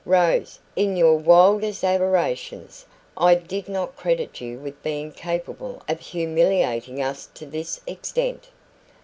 "Rose, in your wildest aberrations, I did not credit you with being capable of humiliating us to this extent."